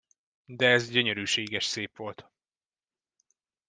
De ez gyönyörűséges Szép volt.